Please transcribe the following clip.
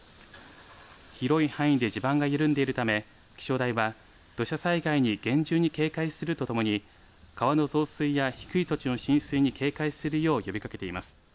広い範囲で地盤が緩んでいるため気象台は土砂災害に厳重に警戒するとともに川の増水や低い土地の浸水に警戒するよう呼びかけています。